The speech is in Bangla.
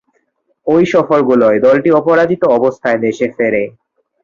ঐ সফরগুলোয় দলটি অপরাজিত অবস্থায় দেশে ফেরে।